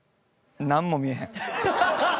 なんも見えへん。